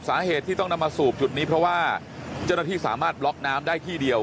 สาเหตุที่ต้องนำมาสูบจุดนี้เพราะว่าเจ้าหน้าที่สามารถบล็อกน้ำได้ที่เดียว